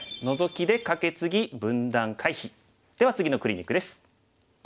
では次のクリニックです。